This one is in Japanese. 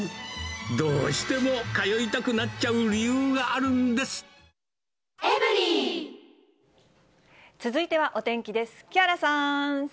どうしても通いたくなっちゃ続いてはお天気です。